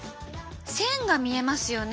線が見えますよね。